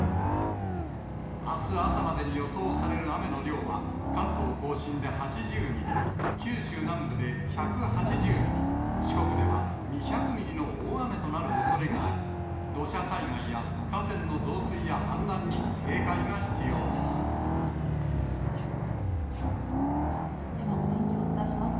あす朝までに予想される雨の量は、関東甲信で８０ミリ、九州南部で１８０ミリ、四国では２００ミリの大雨となるおそれがあり、土砂災害や河川の増水や氾濫に警戒が必要です。